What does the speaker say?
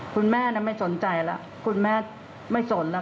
คุณแม่ไม่สนใจแล้วคุณแม่ไม่สนแล้ว